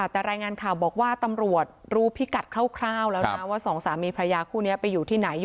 ดลุงได้รู้พิกัดคร่าวว่าสองสามีภรรยาคู่นี้ไปอยู่ที่ไหน